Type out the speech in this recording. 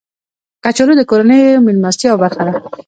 کچالو د کورنیو میلمستیاو برخه ده